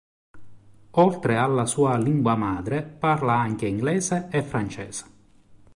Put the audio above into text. Oltre alla sua lingua madre, parla anche inglese e francese.